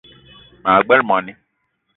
Maa gbele moni